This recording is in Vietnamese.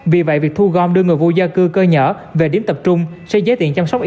vì vậy việc thu gom đưa người vô gia cư cơ nhỏ về điểm tập trung sẽ giấy tiện chăm sóc yếu